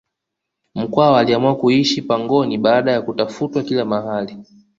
mkwawa aliamua kuishi pangoni baada ya kutafutwa kila mahali